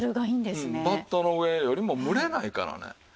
うんバットの上よりも蒸れないからね。